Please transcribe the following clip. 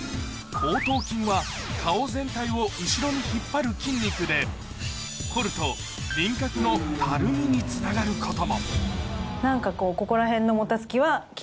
後頭筋は顔全体を後ろに引っ張る筋肉で凝ると輪郭のたるみにつながることも何かこう。